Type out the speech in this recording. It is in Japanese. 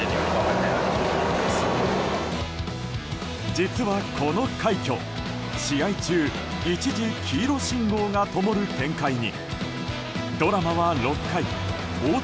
実はこの快挙、試合中一時、黄色信号がともる展開に。